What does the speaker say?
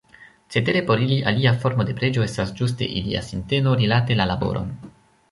Cetere por ili alia formo de preĝo estas ĝuste ilia sinteno rilate la laboron.